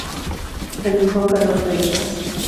La dibujó Carlos Freixas.